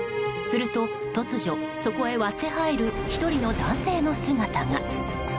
すると、突如そこへ割って入る１人の男性の姿が。